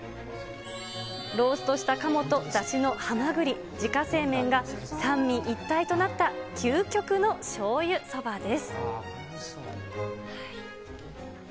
ローストしたかもとだしのはまぐり、自家製麺が、三位一体となった究極のしょうゆそばです。